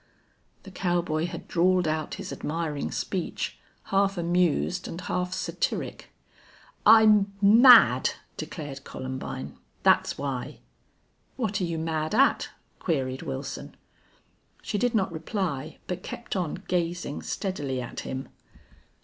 The cowboy had drawled out his admiring speech, half amused and half satiric. "I'm mad!" declared Columbine. "That's why." "What're you mad at?" queried Wilson. She did not reply, but kept on gazing steadily at him.